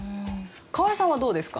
河合さんはどうですか？